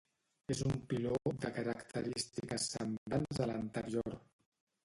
És un piló de característiques semblants a l'anterior.